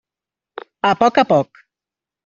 A poc a poc.